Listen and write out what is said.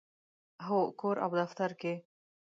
هو، کور او دفتر کې